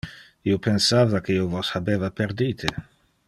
Io pensava que io vos habeva perdite.